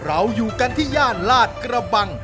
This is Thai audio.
เราอยู่กันที่ย่านลาดกระบัง